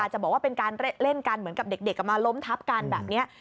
จะบอกว่าเป็นการเล่นกันเหมือนกับเด็กมาล้มทับกันแบบนี้